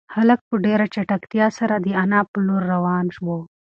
هلک په ډېره چټکتیا سره د انا په لور روان و.